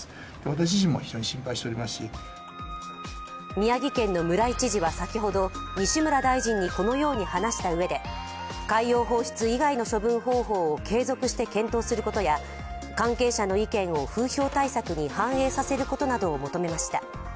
宮城県の村井知事は先ほど西村大臣にこのように話したうえで海洋放出以外の処分方法を継続して検討することや関係者の意見を風評対策に反映させることなどを求めました。